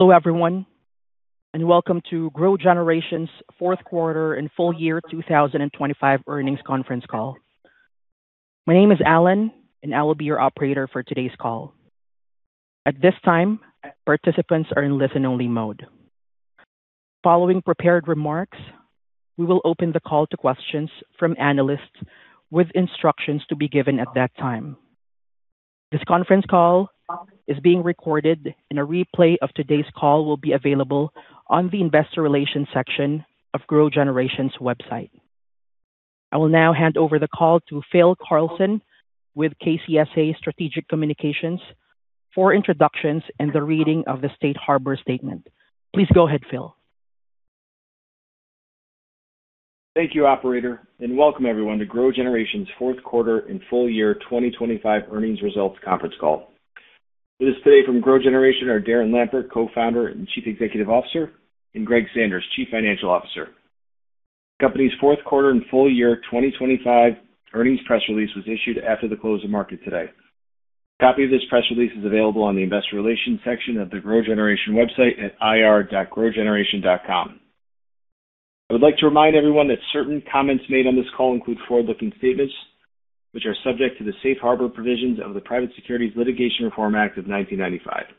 Hello everyone, and welcome to GrowGeneration's Q4 and full year 2025 earnings conference call. My name is Alan, and I will be your operator for today's call. At this time, participants are in listen-only mode. Following prepared remarks, we will open the call to questions from analysts with instructions to be given at that time. This conference call is being recorded and a replay of today's call will be available on the investor relations section of GrowGeneration's website. I will now hand over the call to Phil Carlson with KCSA Strategic Communications for introductions and the reading of the Safe Harbor statement. Please go ahead, Phil. Thank you, operator, and welcome everyone to GrowGeneration's Q4 and full year 2025 earnings results conference call. With us today from GrowGeneration are Darren Lampert, Co-founder and Chief Executive Officer, and Greg Sanders, Chief Financial Officer. The company'sA Q4 and full year 2025 earnings press release was issued after the close of market today. A copy of this press release is available on the investor relations section of the GrowGeneration website at ir.growgeneration.com. I would like to remind everyone that certain comments made on this call include forward-looking statements, which are subject to the Safe Harbor provisions of the Private Securities Litigation Reform Act of 1995.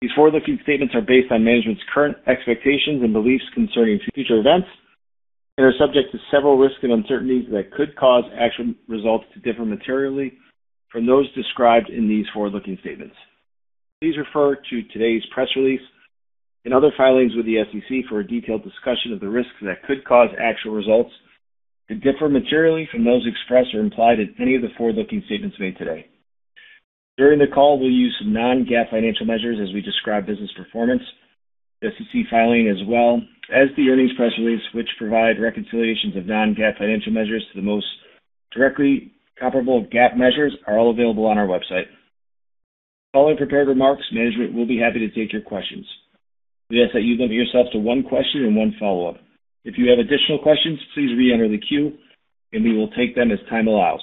These forward-looking statements are based on management's current expectations and beliefs concerning future events and are subject to several risks and uncertainties that could cause actual results to differ materially from those described in these forward-looking statements. Please refer to today's press release and other filings with the SEC for a detailed discussion of the risks that could cause actual results to differ materially from those expressed or implied in any of the forward-looking statements made today. During the call, we'll use some non-GAAP financial measures as we describe business performance. The SEC filing, as well as the earnings press release, which provide reconciliations of non-GAAP financial measures to the most directly comparable GAAP measures, are all available on our website. Following prepared remarks, management will be happy to take your questions. We ask that you limit yourself to one question and one follow-up. If you have additional questions, please re-enter the queue and we will take them as time allows.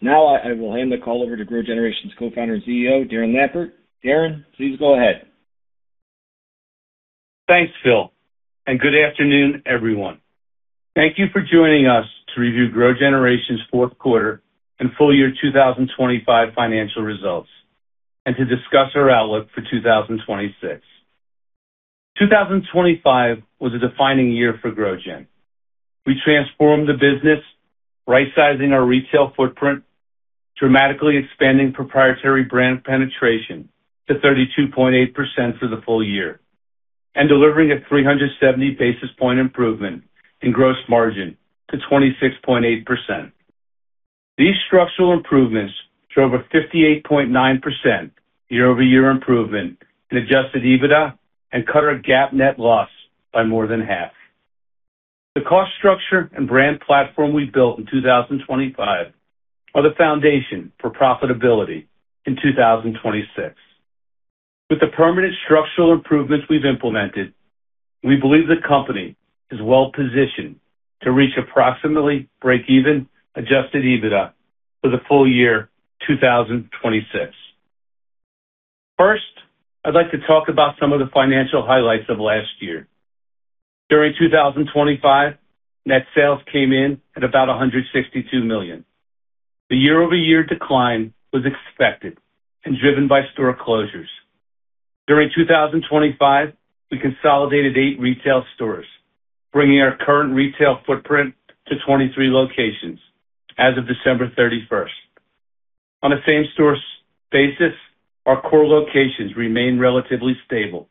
Now I will hand the call over to GrowGeneration's Co-founder and CEO, Darren Lampert. Darren, please go ahead. Thanks, Phil, and good afternoon, everyone. Thank you for joining us to review GrowGeneration's Q4 and full year 2025 financial results and to discuss our outlook for 2026. 2025 was a defining year for GrowGen. We transformed the business, rightsizing our retail footprint, dramatically expanding proprietary brand penetration to 32.8% for the full year and delivering a 370 basis point improvement in gross margin to 26.8%. These structural improvements drove a 58.9% year-over-year improvement in adjusted EBITDA and cut our GAAP net loss by more than half. The cost structure and brand platform we built in 2025 are the foundation for profitability in 2026. With the permanent structural improvements we've implemented, we believe the company is well-positioned to reach approximately break-even adjusted EBITDA for the full year 2026. First, I'd like to talk about some of the financial highlights of last year. During 2025, net sales came in at about $162 million. The year-over-year decline was expected and driven by store closures. During 2025, we consolidated right retail stores, bringing our current retail footprint to 23 locations as of December 31st. On a same-store sales basis, our core locations remain relatively stable,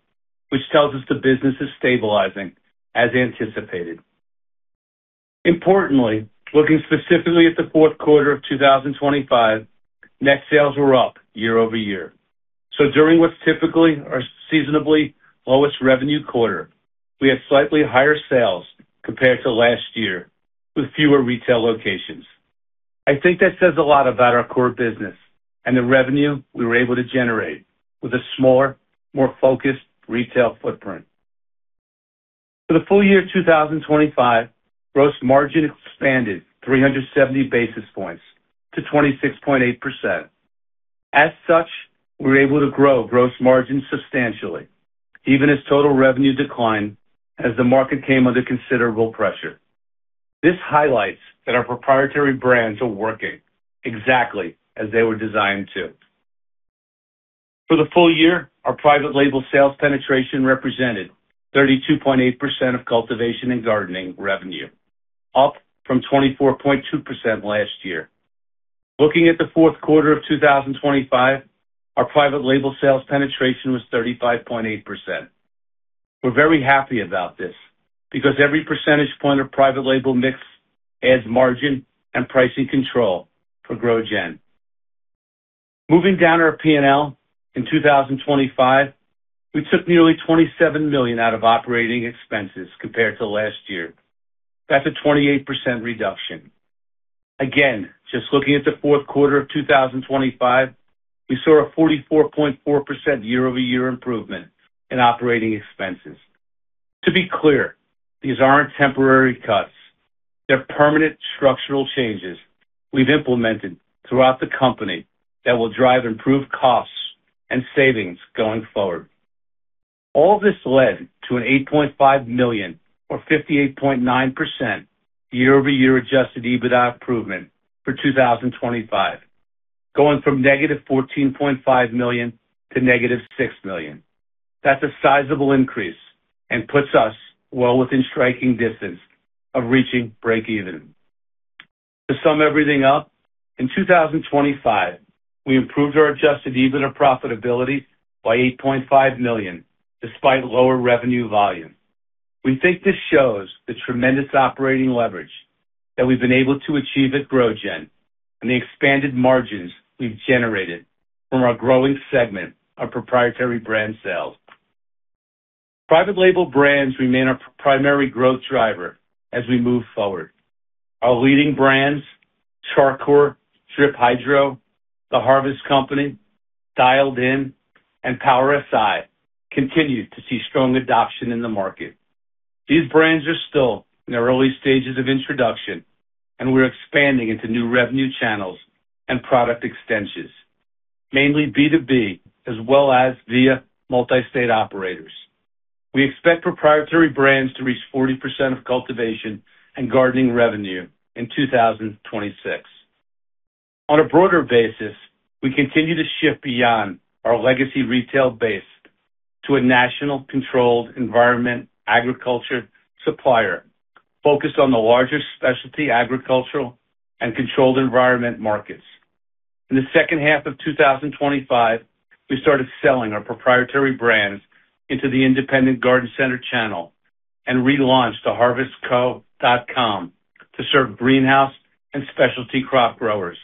which tells us the business is stabilizing as anticipated. Importantly, looking specifically at Q4 of 2025, net sales were up year over year. During what's typically our seasonally lowest revenue quarter, we had slightly higher sales compared to last year with fewer retail locations. I think that says a lot about our core business and the revenue we were able to generate with a smaller, more focused retail footprint. For the full year 2025, gross margin expanded 370 basis points to 26.8%. As such, we were able to grow gross margin substantially, even as total revenue declined as the market came under considerable pressure. This highlights that our proprietary brands are working exactly as they were designed to. For the full year, our private label sales penetration represented 32.8% of cultivation and gardening revenue, up from 24.2% last year. Looking at Q4 of 2025, our private label sales penetration was 35.8%. We're very happy about this, because every percentage point of private label mix adds margin and pricing control for GrowGen. Moving down our P&L, in 2025, we took nearly $27 million out of operating expenses compared to last year. That's a 28% reduction. Again, just looking at Q4 of 2025, we saw a 44.4% year-over-year improvement in operating expenses. To be clear, these aren't temporary cuts. They're permanent structural changes we've implemented throughout the company that will drive improved costs and savings going forward. All this led to an $8.5 million, or 58.9% year-over-year adjusted EBITDA improvement for 2025, going from negative $14.5 million to negative $6 million. That's a sizable increase and puts us well within striking distance of reaching breakeven. To sum everything up, in 2025, we improved our adjusted EBITDA profitability by $8.5 million, despite lower revenue volume. We think this shows the tremendous operating leverage that we've been able to achieve at GrowGen and the expanded margins we've generated from our growing segment of proprietary brand sales. Private label brands remain our primary growth driver as we move forward. Our leading brands, Char Coir, Drip Hydro, The Harvest Company, Dialed In, and Power SI, continue to see strong adoption in the market. These brands are still in their early stages of introduction, and we're expanding into new revenue channels and product extensions, mainly B2B as well as via multi-state operators. We expect proprietary brands to reach 40% of cultivation and gardening revenue in 2026. On a broader basis, we continue to shift beyond our legacy retail base to a national controlled environment agriculture supplier focused on the larger specialty agricultural and controlled environment markets. In the second half of 2025, we started selling our proprietary brands into the independent garden center channel and relaunched theharvestco.com to serve greenhouse and specialty crop growers.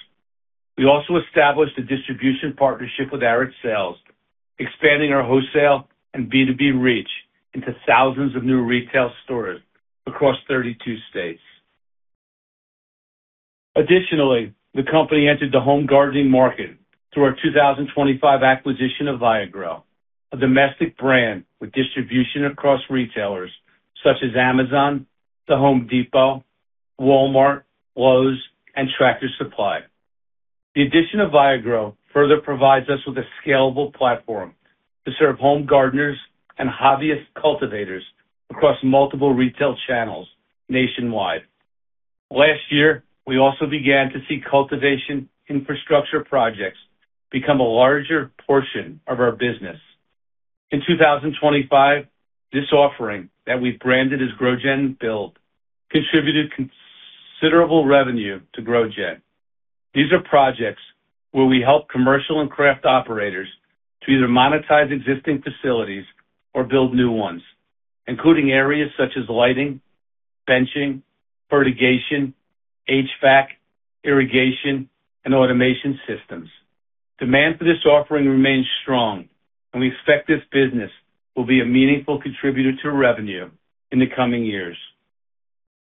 We also established a distribution partnership with Arid Sales, expanding our wholesale and B2B reach into thousands of new retail stores across 32 states. Additionally, the company entered the home gardening market through our 2025 acquisition of Viagrow, a domestic brand with distribution across retailers such as Amazon, The Home Depot, Walmart, Lowe's, and Tractor Supply. The addition of Viagrow further provides us with a scalable platform to serve home gardeners and hobbyist cultivators across multiple retail channels nationwide. Last year, we also began to see cultivation infrastructure projects become a larger portion of our business. In 2025, this offering that we've branded as GrowGen Build, contributed considerable revenue to GrowGen. These are projects where we help commercial and craft operators to either monetize existing facilities or build new ones, including areas such as lighting, benching, fertigation, HVAC, irrigation, and automation systems. Demand for this offering remains strong, and we expect this business will be a meaningful contributor to revenue in the coming years.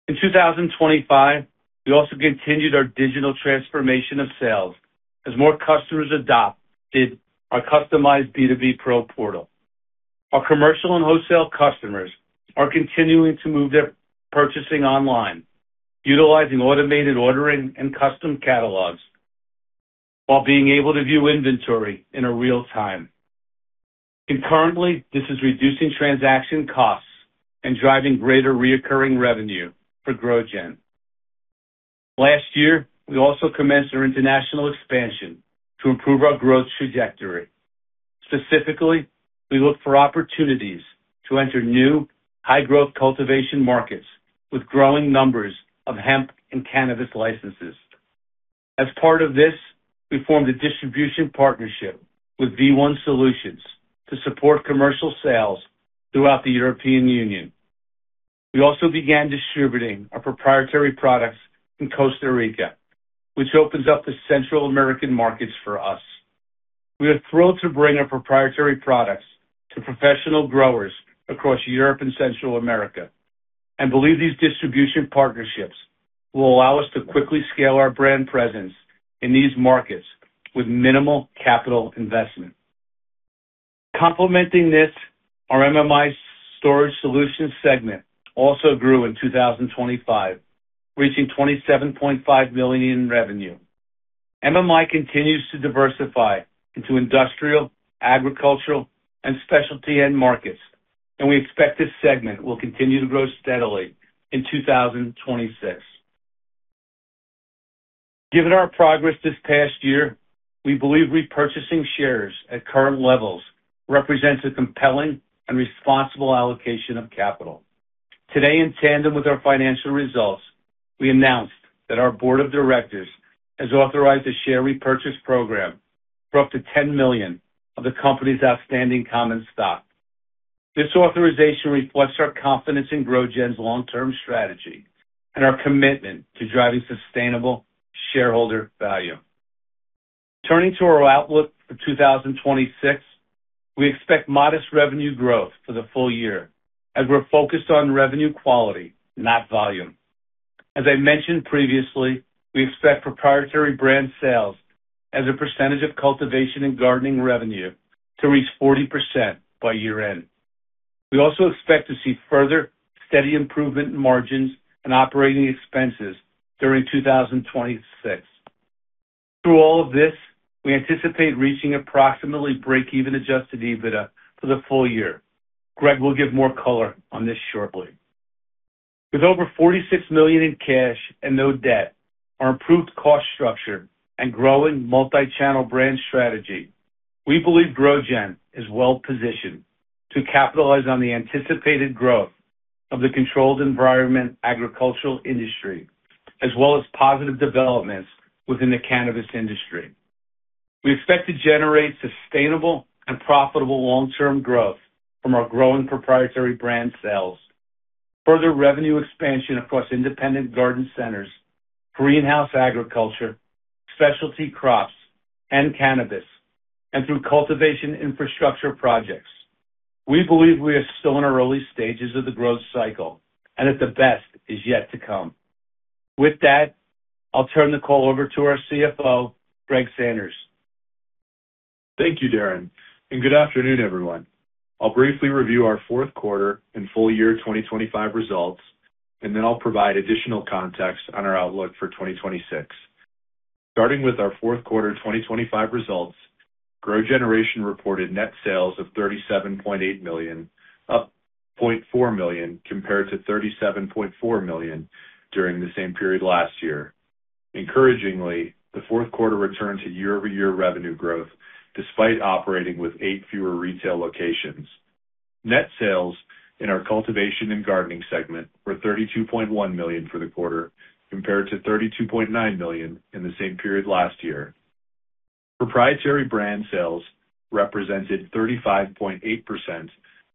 In 2025, we also continued our digital transformation of sales as more customers adopted our customized B2B Pro portal. Our commercial and wholesale customers are continuing to move their purchasing online, utilizing automated ordering and custom catalogs while being able to view inventory in real time. Concurrently, this is reducing transaction costs and driving greater recurring revenue for GrowGen. Last year, we also commenced our international expansion to improve our growth trajectory. Specifically, we look for opportunities to enter new high growth cultivation markets with growing numbers of hemp and cannabis licenses. As part of this, we formed a distribution partnership with V1 Solutions to support commercial sales throughout the European Union. We also began distributing our proprietary products in Costa Rica, which opens up the Central American markets for us. We are thrilled to bring our proprietary products to professional growers across Europe and Central America, and believe these distribution partnerships will allow us to quickly scale our brand presence in these markets with minimal capital investment. Complementing this, our MMI Storage Solutions segment also grew in 2025, reaching $27.5 million in revenue. MMI continues to diversify into industrial, agricultural, and specialty end markets, and we expect this segment will continue to grow steadily in 2026. Given our progress this past year, we believe repurchasing shares at current levels represents a compelling and responsible allocation of capital. Today, in tandem with our financial results, we announced that our board of directors has authorized a share repurchase program for up to 10 million of the company's outstanding common stock. This authorization reflects our confidence in GrowGen's long-term strategy and our commitment to driving sustainable shareholder value. Turning to our outlook for 2026, we expect modest revenue growth for the full year as we're focused on revenue quality, not volume. As I mentioned previously, we expect proprietary brand sales as a percentage of cultivation and gardening revenue to reach 40% by year-end. We also expect to see further steady improvement in margins and operating expenses during 2026. Through all of this, we anticipate reaching approximately break-even adjusted EBITDA for the full year. Greg will give more color on this shortly. With over $46 million in cash and no debt, our improved cost structure and growing multi-channel brand strategy, we believe GrowGen is well-positioned to capitalize on the anticipated growth of the controlled environment agricultural industry, as well as positive developments within the cannabis industry. We expect to generate sustainable and profitable long-term growth from our growing proprietary brand sales, further revenue expansion across independent garden centers, greenhouse agriculture, specialty crops, and cannabis, and through cultivation infrastructure projects. We believe we are still in our early stages of the growth cycle, and that the best is yet to come. With that, I'll turn the call over to our CFO, Greg Sanders. Thank you, Darren, and good afternoon, everyone. I'll briefly review our Q4 and full year 2025 results, and then I'll provide additional context on our outlook for 2026. Starting with our Q4 2025 results, GrowGeneration reported net sales of $37.8 million, up $0.4 million compared to $37.4 million during the same period last year. Encouragingly, Q4 returned to year-over-year revenue growth despite operating with eight fewer retail locations. Net sales in our cultivation and gardening segment were $32.1 million for the quarter, compared to $32.9 million in the same period last year. Proprietary brand sales represented 35.8%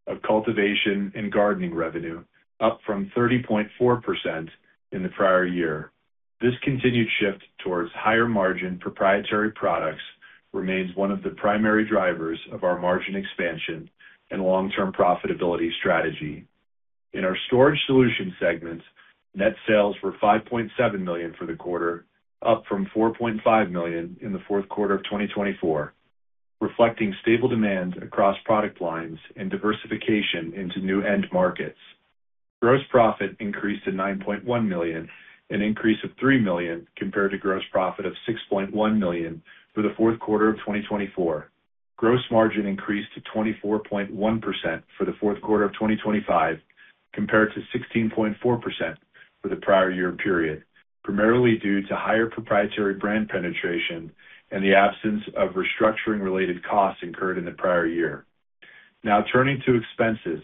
of cultivation and gardening revenue, up from 30.4% in the prior year. This continued shift towards higher-margin proprietary products remains one of the primary drivers of our margin expansion and long-term profitability strategy. In our storage solution segment, net sales were $5.7 million for the quarter, up from $4.5 million in Q4 of 2024, reflecting stable demand across product lines and diversification into new end markets. Gross profit increased to $9.1 million, an increase of $3 million compared to gross profit of $6.1 million for Q4 of 2024. Gross margin increased to 24.1% for Q4 of 2025, compared to 16.4% for the prior year period, primarily due to higher proprietary brand penetration and the absence of restructuring-related costs incurred in the prior year. Now turning to expenses.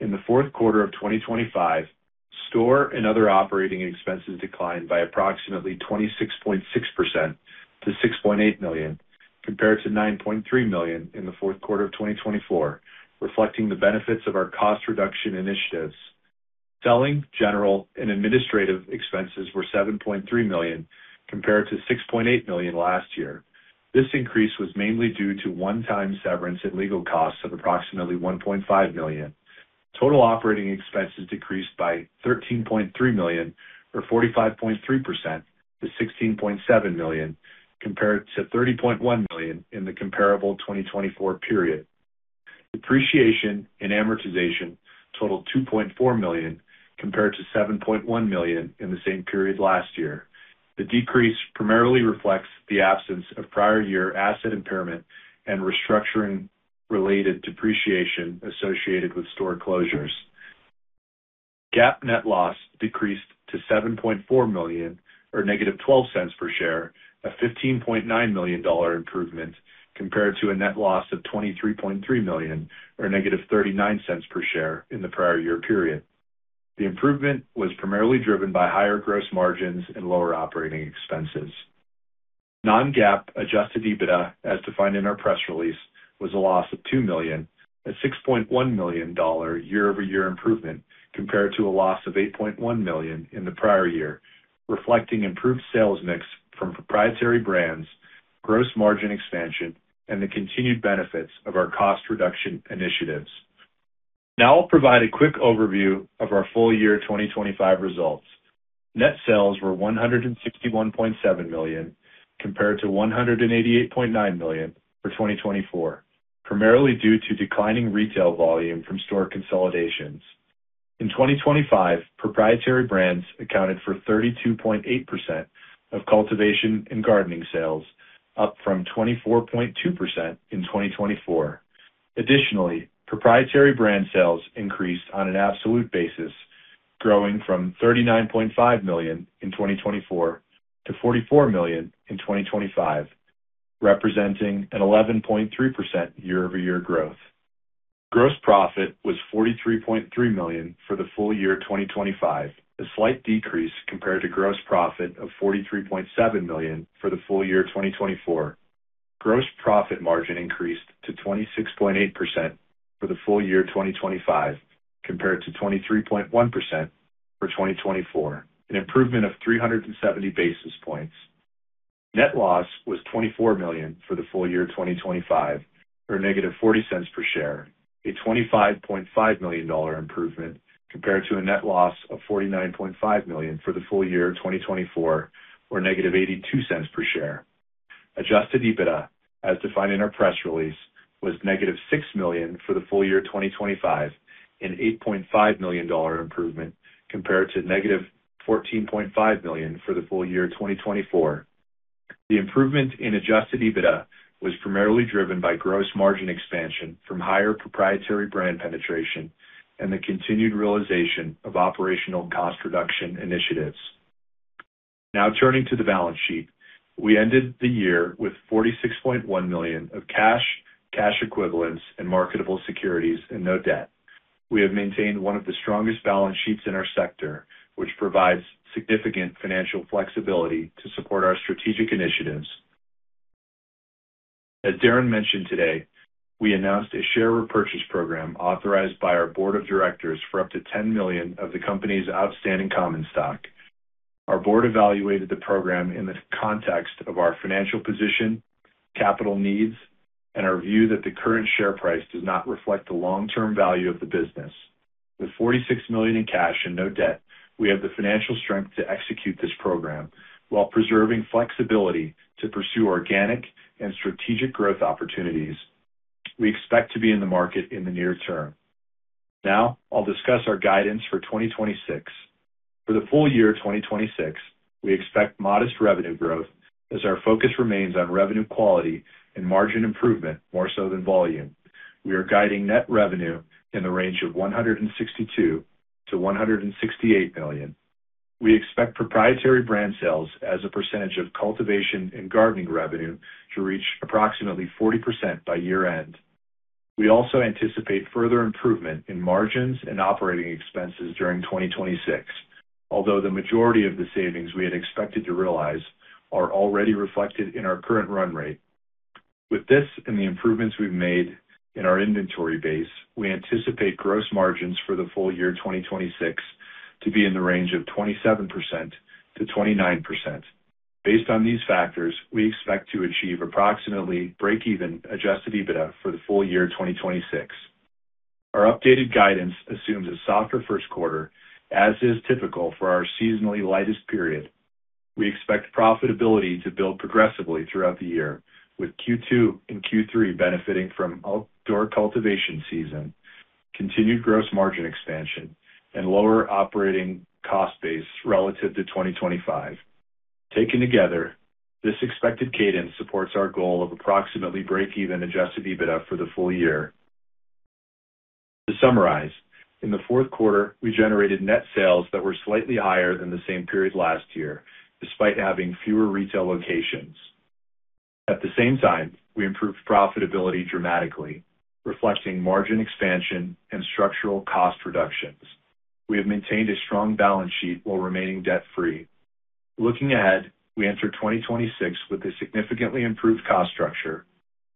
In Q4 of 2025, store and other operating expenses declined by approximately 26.6% to $6.8 million, compared to $9.3 million in Q4 of 2024, reflecting the benefits of our cost reduction initiatives. Selling, general and administrative expenses were $7.3 million compared to $6.8 million last year. This increase was mainly due to one-time severance and legal costs of approximately $1.5 million. Total operating expenses decreased by $13.3 million or 45.3% to $16.7 million, compared to $30.1 million in the comparable 2024 period. Depreciation and amortization totaled $2.4 million compared to $7.1 million in the same period last year. The decrease primarily reflects the absence of prior year asset impairment and restructuring-related depreciation associated with store closures. GAAP net loss decreased to $7.4 million or $(0.12) per share, a $15.9 million improvement compared to a net loss of $23.3 million or $(0.39) per share in the prior year period. The improvement was primarily driven by higher gross margins and lower operating expenses. Non-GAAP adjusted EBITDA, as defined in our press release, was a loss of $2 million, a $6.1 million year-over-year improvement compared to a loss of $8.1 million in the prior year, reflecting improved sales mix from proprietary brands, gross margin expansion, and the continued benefits of our cost reduction initiatives. Now I'll provide a quick overview of our full year 2025 results. Net sales were $161.7 million, compared to $188.9 million for 2024, primarily due to declining retail volume from store consolidations. In 2025, proprietary brands accounted for 32.8% of cultivation and gardening sales, up from 24.2% in 2024. Additionally, proprietary brand sales increased on an absolute basis, growing from $39.5 million in 2024 to $44 million in 2025, representing an 11.3% year-over-year growth. Gross profit was $43.3 million for the full year 2025, a slight decrease compared to gross profit of $43.7 million for the full year 2024. Gross profit margin increased to 26.8% for the full year 2025, compared to 23.1% for 2024, an improvement of 370 basis points. Net loss was $24 million for the full year 2025, or -$0.40 per share, a $25.5 million improvement compared to a net loss of $49.5 million for the full year 2024, or -$0.82 per share. Adjusted EBITDA, as defined in our press release, was -$6 million for the full year 2025, an $8.5 million improvement compared to -$14.5 million for the full year 2024. The improvement in adjusted EBITDA was primarily driven by gross margin expansion from higher proprietary brand penetration and the continued realization of operational cost reduction initiatives. Now turning to the balance sheet. We ended the year with $46.1 million of cash equivalents, and marketable securities, and no debt. We have maintained one of the strongest balance sheets in our sector, which provides significant financial flexibility to support our strategic initiatives. As Darren mentioned today, we announced a share repurchase program authorized by our board of directors for up to 10 million of the company's outstanding common stock. Our board evaluated the program in the context of our financial position, capital needs, and our view that the current share price does not reflect the long-term value of the business. With $46 million in cash and no debt, we have the financial strength to execute this program while preserving flexibility to pursue organic and strategic growth opportunities. We expect to be in the market in the near-term. Now I'll discuss our guidance for 2026. For the full year 2026, we expect modest revenue growth as our focus remains on revenue quality and margin improvement more so than volume. We are guiding net revenue in the range of $162 million-$168 million. We expect proprietary brand sales as a percentage of cultivation and gardening revenue to reach approximately 40% by year-end. We also anticipate further improvement in margins and operating expenses during 2026, although the majority of the savings we had expected to realize are already reflected in our current run rate. With this and the improvements we've made in our inventory base, we anticipate gross margins for the full year 2026 to be in the range of 27%-29%. Based on these factors, we expect to achieve approximately break-even adjusted EBITDA for the full year 2026. Our updated guidance assumes a softer Q1, as is typical for our seasonally lightest period. We expect profitability to build progressively throughout the year with Q2 and Q3 benefiting from outdoor cultivation season, continued gross margin expansion, and lower operating cost base relative to 2025. Taken together, this expected cadence supports our goal of approximately break-even adjusted EBITDA for the full year. To summarize, in Q4, we generated net sales that were slightly higher than the same period last year, despite having fewer retail locations. At the same time, we improved profitability dramatically, reflecting margin expansion and structural cost reductions. We have maintained a strong balance sheet while remaining debt-free. Looking ahead, we enter 2026 with a significantly improved cost structure,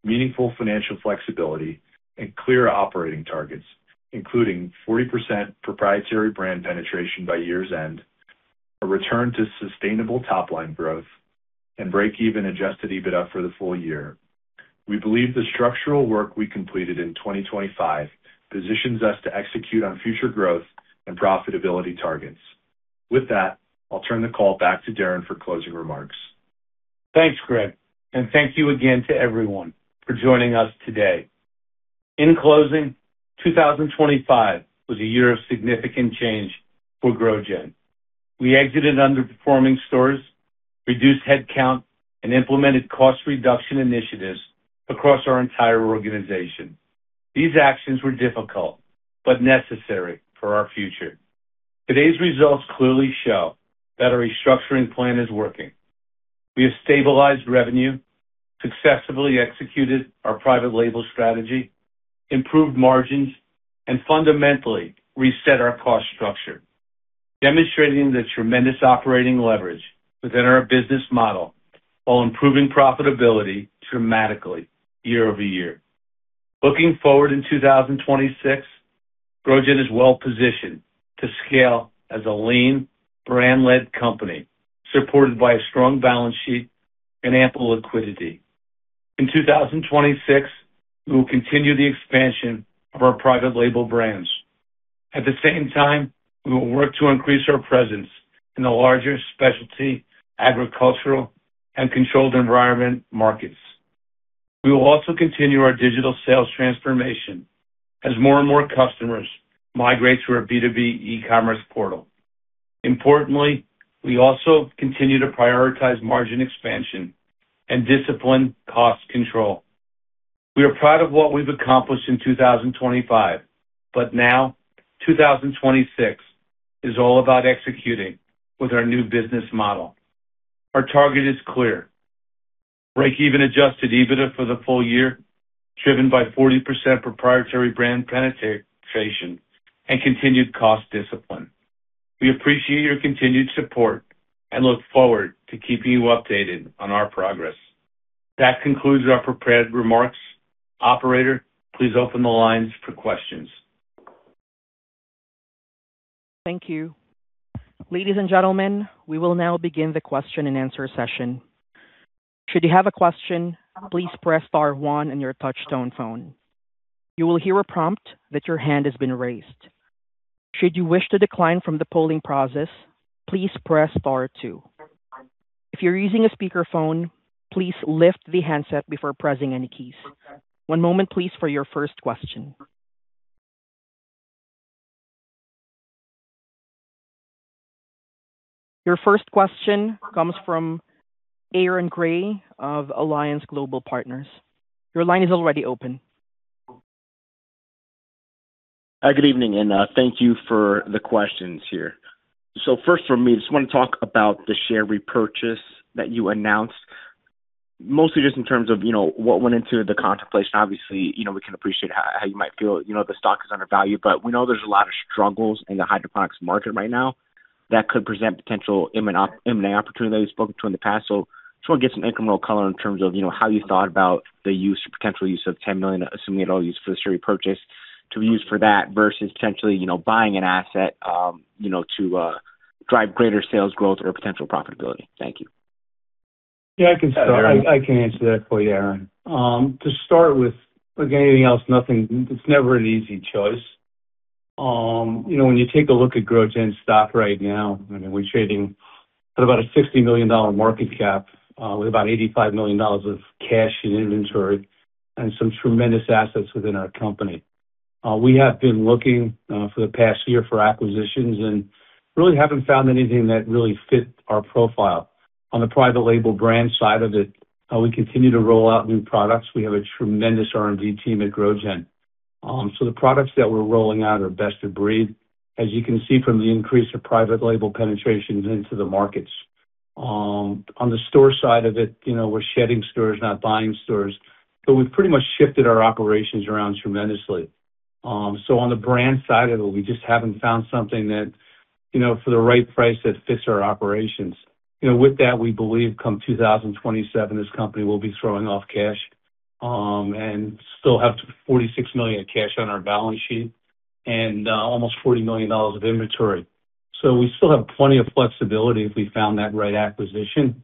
meaningful financial flexibility, and clear operating targets, including 40% proprietary brand penetration by year's end, a return to sustainable top-line growth, and break-even adjusted EBITDA for the full year. We believe the structural work we completed in 2025 positions us to execute on future growth and profitability targets. With that, I'll turn the call back to Darren for closing remarks. Thanks, Greg, and thank you again to everyone for joining us today. In closing, 2025 was a year of significant change for GrowGen. We exited underperforming stores, reduced headcount, and implemented cost reduction initiatives across our entire organization. These actions were difficult but necessary for our future. Today's results clearly show that our restructuring plan is working. We have stabilized revenue, successfully executed our private label strategy, improved margins, and fundamentally reset our cost structure, demonstrating the tremendous operating leverage within our business model while improving profitability dramatically year-over-year. Looking forward in 2026, GrowGen is well positioned to scale as a lean, brand-led company, supported by a strong balance sheet and ample liquidity. In 2026, we will continue the expansion of our private label brands. At the same time, we will work to increase our presence in the larger specialty agricultural and controlled environment markets. We will also continue our digital sales transformation as more and more customers migrate to our B2B e-commerce portal. Importantly, we also continue to prioritize margin expansion and discipline cost control. We are proud of what we've accomplished in 2025, but now 2026 is all about executing with our new business model. Our target is clear. Break-even adjusted EBITDA for the full year, driven by 40% proprietary brand penetration and continued cost discipline. We appreciate your continued support and look forward to keeping you updated on our progress. That concludes our prepared remarks. Operator, please open the lines for questions. Thank you. Ladies and gentlemen, we will now begin the question and answer session. Should you have a question, please press star one on your touchtone phone. You will hear a prompt that your hand has been raised. Should you wish to decline from the polling process, please press star two. If you're using a speakerphone, please lift the handset before pressing any keys. One moment, please, for your first question. Your first question comes from Aaron Grey of Alliance Global Partners. Your line is already open. Good evening and, thank you for the questions here. First for me, just want to talk about the share repurchase that you announced. Mostly just in terms of what went into the contemplation. Obviously, we can appreciate how you might feel the stock is undervalued, but we know there's a lot of struggles in the hydroponics market right now that could present potential M&A opportunity we've spoken to in the past. Just want to get some incremental color in terms of how you thought about the potential use of $10 million, assuming at all used for the share repurchase to be used for that versus potentially buying an asset to drive greater sales growth or potential profitability. Thank you. Yes, I can start. I can answer that for you, Aaron. To start with, like anything else, it's never an easy choice. When you take a look at GrowGen's stock right now, we're trading at about a $60 million market cap, with about $85 million of cash and inventory and some tremendous assets within our company. We have been looking for the past year for acquisitions and really haven't found anything that really fit our profile. On the private label brand side of it, we continue to roll out new products. We have a tremendous R&D team at GrowGen. The products that we're rolling out are best of breed, as you can see from the increase of private label penetration into the markets. On the store side of it, we're shedding stores, not buying stores, but we've pretty much shifted our operations around tremendously. On the brand side of it, we just haven't found something that for the right price that fits our operations. With that, we believe come 2027, this company will be throwing off cash, and still have $46 million of cash on our balance sheet and almost $40 million of inventory. We still have plenty of flexibility if we found that right acquisition.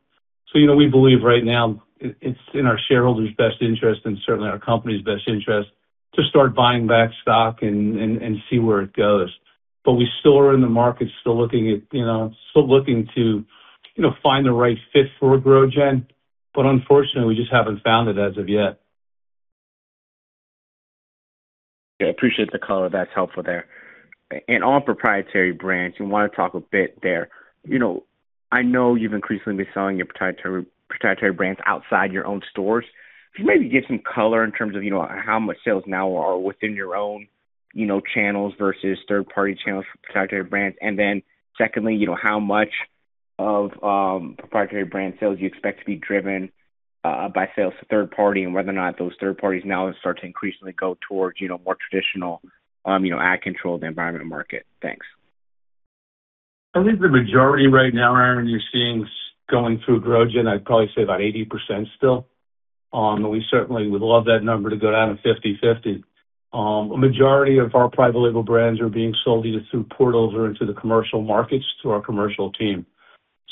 We believe right now it's in our shareholders best interest and certainly our company's best interest to start buying back stock and see where it goes. We still are in the market, still looking to find the right fit for GrowGen, but unfortunately, we just haven't found it as of yet. Yes, I appreciate the color. That's helpful there. On proprietary brands, you want to talk a bit there. I know you've increasingly been selling your proprietary brands outside your own stores. Can you maybe give some color in terms of how much sales now are within your own channels versus third-party channels for proprietary brands? Then secondly, how much of proprietary brand sales you expect to be driven by sales to third-party and whether or not those third parties now start to increasingly go towards more traditional indoor controlled environment market. Thanks. I think the majority right now, Aaron, you're seeing going through GrowGen. I'd probably say about 80% still. We certainly would love that number to go down to 50/50. A majority of our private label brands are being sold either through portals or into the commercial markets to our commercial team.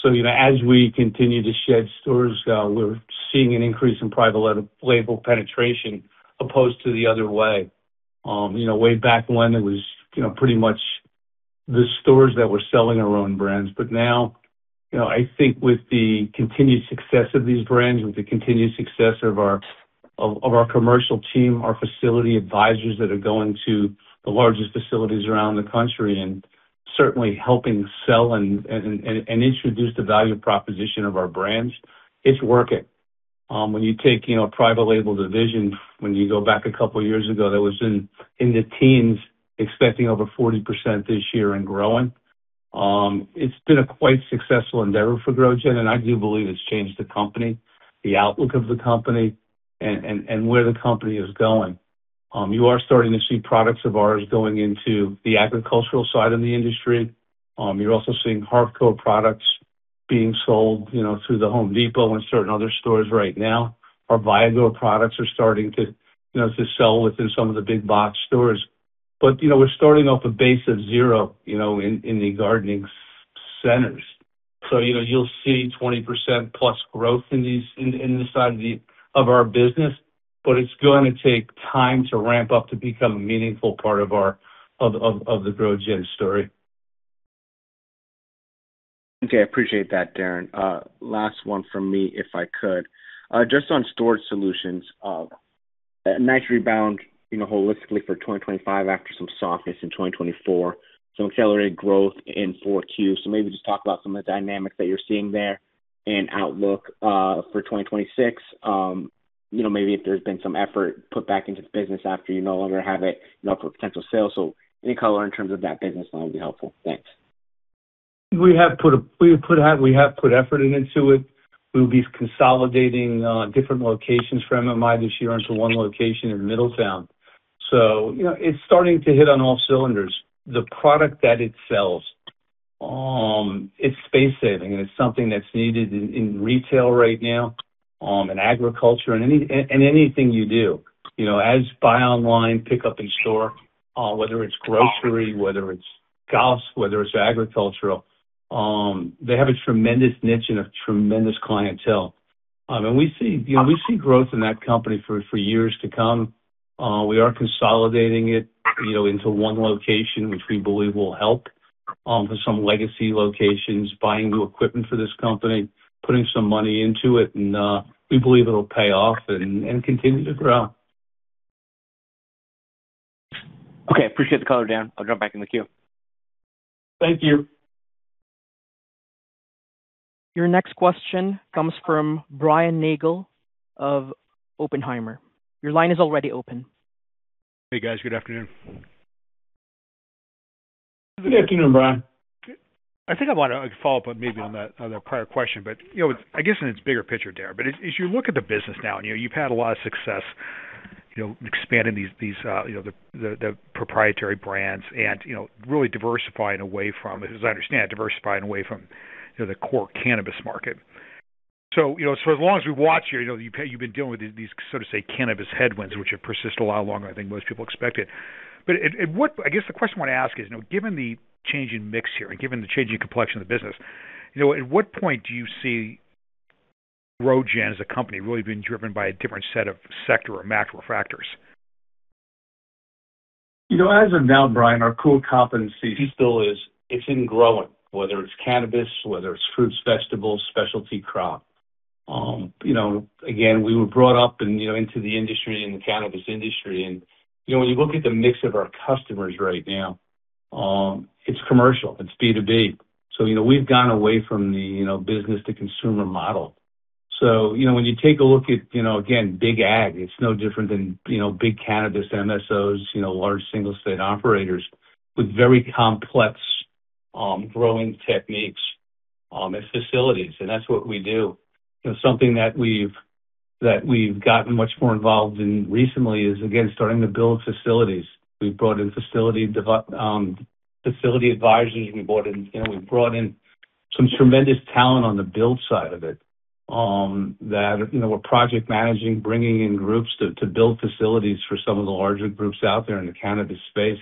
As we continue to shed stores, we're seeing an increase in private label penetration as opposed to the other way. Way back when it was pretty much the stores that were selling our own brands. Now, I think with the continued success of these brands, with the continued success of our commercial team, our facility advisors that are going to the largest facilities around the country and certainly helping sell and introduce the value proposition of our brands, it's working. When you take, a private label division, when you go back a couple of years ago, that was in the teens expecting over 40% this year and growing. It's been a quite successful endeavor for GrowGen, and I do believe it's changed the company, the outlook of the company and where the company is going. You are starting to see products of ours going into the agricultural side of the industry. You're also seeing hardcore products being sold through The Home Depot and certain other stores right now. Our Viagrow products are starting to sell within some of the big box stores. We're starting off a base of zero in the gardening centers. You'll see 20%+ growth in these, in this side of our business, but it's going to take time to ramp up to become a meaningful part of the GrowGen story. Okay. I appreciate that, Darren. Last one from me, if I could. Just on storage solutions. A nice rebound, holistically for 2025 after some softness in 2024. Some accelerated growth in Q4. Maybe just talk about some of the dynamics that you're seeing there and outlook for 2026. Maybe if there's been some effort put back into the business after you no longer have it for potential sales. Any color in terms of that business line would be helpful. Thanks. We have put effort into it. We'll be consolidating different locations for MMI this year into one location in Middletown. It's starting to hit on all cylinders. The product that it sells. It's space saving, and it's something that's needed in retail right now, in agriculture and anything you do. As buy online, pick up in store, whether it's grocery, whether it's golf, whether it's agricultural, they have a tremendous niche and a tremendous clientele. We see growth in that company for years to come. We are consolidating it into one location, which we believe will help for some legacy locations, buying new equipment for this company, putting some money into it, and we believe it'll pay off and continue to grow. Okay. Appreciate the color, Darren. I'll jump back in the queue. Thank you. Your next question comes from Brian Nagel of Oppenheimer. Your line is already open. Hey, guys. Good afternoon. Good afternoon, Brian. I think I want to follow up maybe on that prior question, but I guess in its bigger picture, Darren, but as you look at the business now and you've had a lot of success expanding these the proprietary brands and really diversifying away from, as I understand, diversifying away from the core cannabis market. As long as we watch you, you've been dealing with these so-called cannabis headwinds, which have persisted a lot longer than I think most people expected. I guess the question I want to ask is, given the change in mix here and given the changing complexion of the business, at what point do you see GrowGen as a company really being driven by a different set of sector or macro factors? As of now, Brian, our core competency still is in growing, whether it's cannabis, whether it's fruits, vegetables, specialty crop. Again, we were brought up and into the industry, in the cannabis industry. When you look at the mix of our customers right now, it's commercial, it's B2B. We've gone away from the business to consumer model. When you take a look at, again, big ag, it's no different than big cannabis MSOs, large single state operators with very complex, growing techniques, and facilities. That's what we do. Something that we've gotten much more involved in recently is, again, starting to build facilities. We've brought in facility advisors. We brought in some tremendous talent on the build side of it, that we're project managing, bringing in groups to build facilities for some of the larger groups out there in the cannabis space.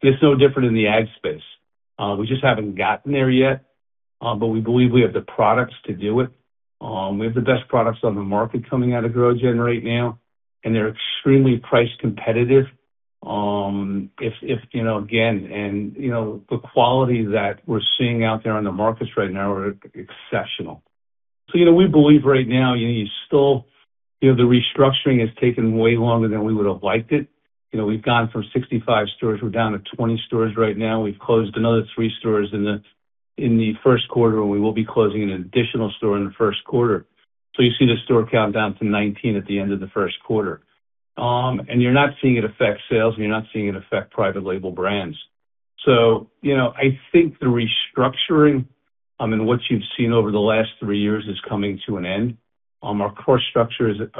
It's no different in the ag space. We just haven't gotten there yet, but we believe we have the products to do it. We have the best products on the market coming out of GrowGen right now, and they're extremely price competitive. The quality that we're seeing out there on the markets right now are exceptional. We believe right now, the restructuring has taken way longer than we would have liked it. We've gone from 65 stores, we're down to 20 stores right now. We've closed another three stores in Q1, and we will be closing an additional store in Q1. You see the store count down to 19 at the end of Q1. You're not seeing it affect sales, and you're not seeing it affect private label brands. I think the restructuring and what you've seen over the last three years is coming to an end. Our cost structures that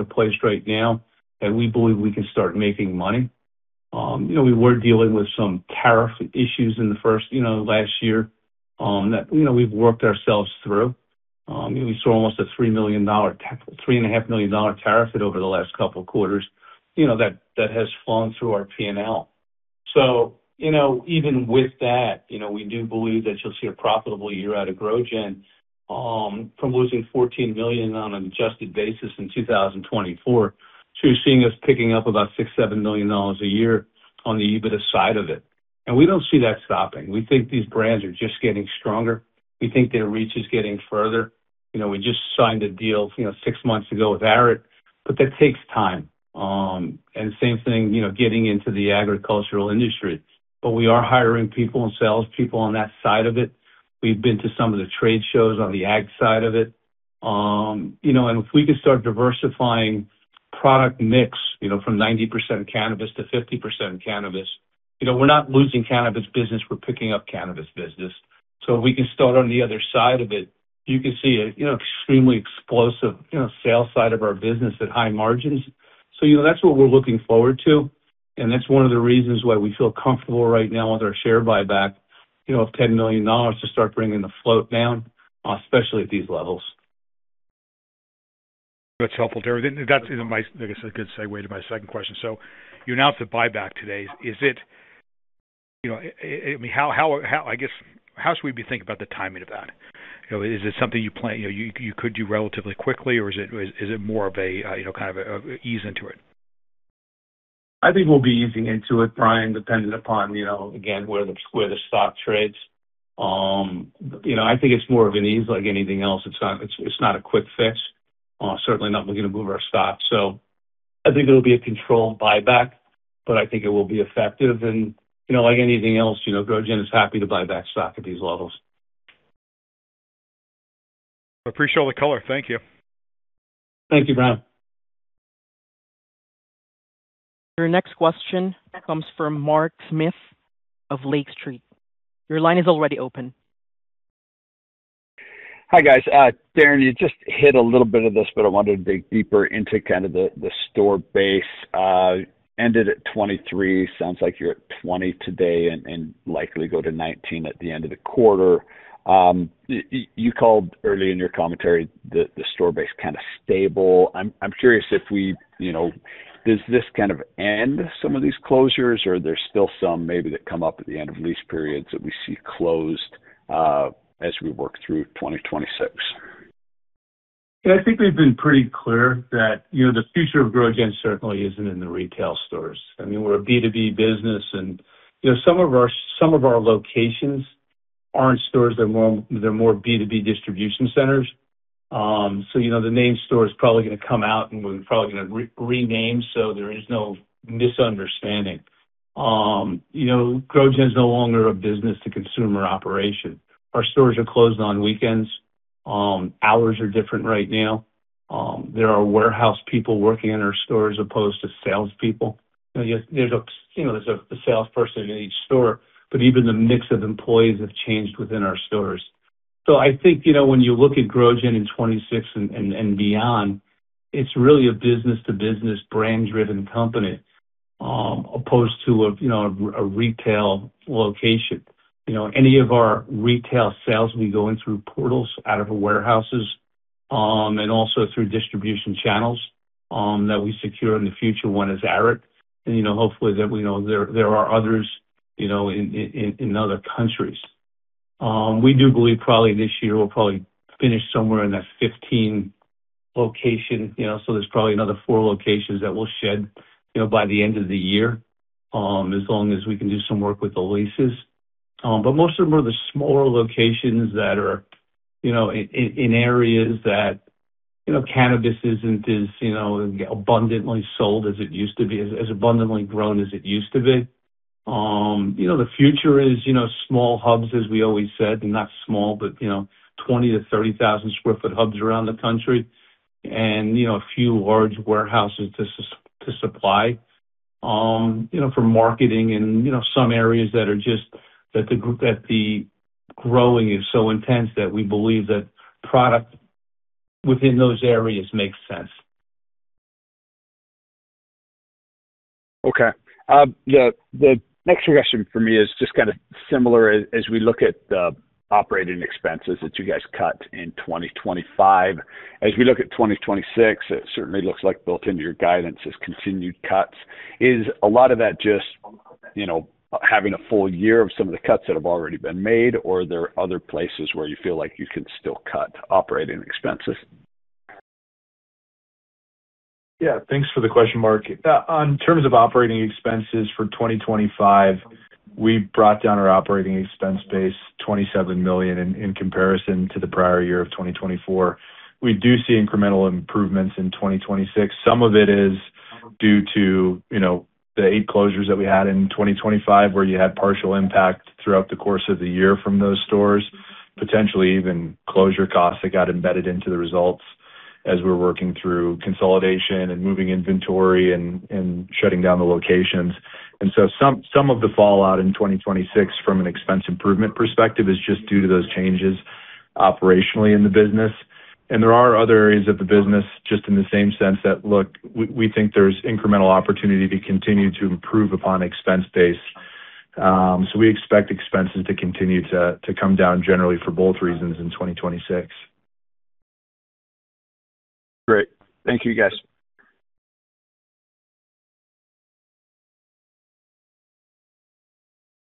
are placed right now that we believe we can start making money. We were dealing with some tariff issues in the first, last year, that we've worked ourselves through. We saw almost a $3.5 million tariff hit over the last couple of quarters. That has flown through our P&L. Even with that, we do believe that you'll see a profitable year out of GrowGen, from losing $14 million on an adjusted basis in 2024 to seeing us picking up about $6 million-$7 million a year on the EBITDA side of it. We don't see that stopping. We think these brands are just getting stronger. We think their reach is getting further. We just signed a deal, six months ago with Arid, but that takes time. Same thing getting into the agricultural industry. We are hiring people and sales people on that side of it. We've been to some of the trade shows on the ag side of it. If we can start diversifying product mix from 90% cannabis to 50% cannabis, we're not losing cannabis business, we're picking up cannabis business. If we can start on the other side of it, you can see an extremely explosive sales side of our business at high margins. That's what we're looking forward to, and that's one of the reasons why we feel comfortable right now with our share buyback of $10 million to start bringing the float down, especially at these levels. That's helpful, Darren. That's a good segue to my second question. You announced a buyback today. How should we be thinking about the timing of that? Is it something you plan you could do relatively quickly or is it more of an ease into it? I think we'll be easing into it, Brian, dependent upon, again, where the stock trades. I think it's more of an ease like anything else. It's not a quick fix. Certainly not looking to move our stock. I think it'll be a controlled buyback, but I think it will be effective. Like anything else, GrowGen is happy to buy back stock at these levels. I appreciate all the color. Thank you. Thank you, Brian. Your next question comes from Mark Smith of Lake Street. Your line is already open. Hi, guys. Darren, you just hit a little bit of this, but I wanted to dig deeper into the store base. Ended at 23. Sounds like you're at 20 today and likely go to 19 at the end of the quarter. You called early in your commentary the store base kinda stable. I'm curious, does this end some of these closures or there's still some maybe that come up at the end of lease periods that we see closed as we work through 2026? Yes, I think we've been pretty clear that the future of GrowGen certainly isn't in the retail stores. I mean, we're a B2B business and some of our locations aren't stores, they're more B2B distribution centers. The name stores probably going to come out and we're probably going to rename so there is no misunderstanding. GrowGen is no longer a business to consumer operation. Our stores are closed on weekends. Hours are different right now. There are warehouse people working in our stores as opposed to salespeople. There's a salesperson in each store, but even the mix of employees have changed within our stores. I think when you look at GrowGen in 2026 and beyond, it's really a business to business brand driven company, as opposed to a retail location. Any of our retail sales will be going through portals out of our warehouses, and also through distribution channels that we secure in the future. One is Arid. Hopefully, there are others in other countries. We do believe probably this year we'll probably finish somewhere in that 15 locations. There's probably another four locations that we'll shed, by the end of the year, as long as we can do some work with the leases. Most of them are the smaller locations that are in areas that cannabis isn't as abundantly grown as it used to be. The future is small hubs, as we always said, not small, but 20,000-30,000 sq ft hubs around the country. A few large warehouses to supply, for marketing and some areas that are just that the growing is so intense that we believe that product within those areas makes sense. Okay. The next question for me is just similar as we look at the operating expenses that you guys cut in 2025. As we look at 2026, it certainly looks like built into your guidance is continued cuts. Is a lot of that just having a full year of some of the cuts that have already been made or there are other places where you feel like you can still cut operating expenses? Yes. Thanks for the question, Mark. In terms of operating expenses for 2025, we brought down our operating expense base $27 million in comparison to the prior year of 2024. We do see incremental improvements in 2026. Some of it is due to the eight closures that we had in 2025, where you had partial impact throughout the course of the year from those stores. Potentially even closure costs that got embedded into the results as we're working through consolidation and moving inventory and shutting down the locations. Some of the fallout in 2026 from an expense improvement perspective is just due to those changes operationally in the business. There are other areas of the business just in the same sense that, look, we think there's incremental opportunity to continue to improve upon expense base. We expect expenses to continue to come down generally for both reasons in 2026. Great. Thank you, guys.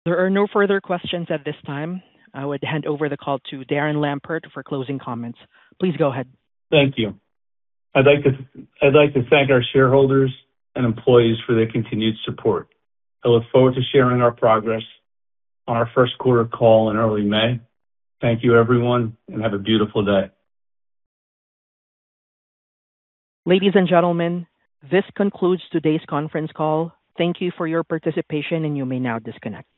There are no further questions at this time. I would hand over the call to Darren Lampert for closing comments. Please go ahead. Thank you. I'd like to thank our shareholders and employees for their continued support. I look forward to sharing our progress on our first quarter call in early May. Thank you, everyone, and have a beautiful day. Ladies and gentlemen, this concludes today's conference call. Thank you for your participation, and you may now disconnect.